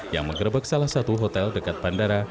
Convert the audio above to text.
yang mengerebek salah satu hotel dekat bandara